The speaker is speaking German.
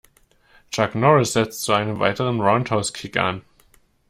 Chuck Norris setzt zu einem weiteren Roundhouse-Kick an.